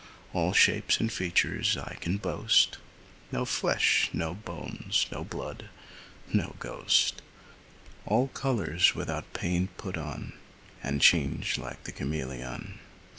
All shapes and features I can boast, No flesh, no bones, no blood no ghost: All colours, without paint, put on, And change like the cameleon.